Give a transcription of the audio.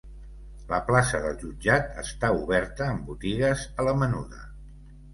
La plaça del jutjat està oberta amb botigues a la menuda.